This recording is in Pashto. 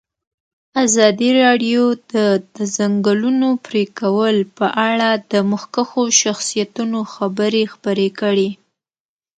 ازادي راډیو د د ځنګلونو پرېکول په اړه د مخکښو شخصیتونو خبرې خپرې کړي.